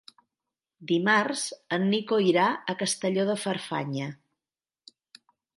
Dimarts en Nico irà a Castelló de Farfanya.